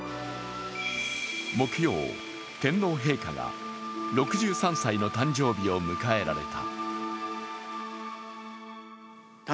木曜、天皇陛下が６３歳の誕生日を迎えられた。